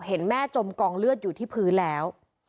เห็นแม่จมกองเลือดอยู่ที่พื้นแล้ว